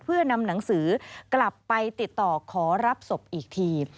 เพื่อนำหนังสือกลับไปติดต่อขอรับศพอีกที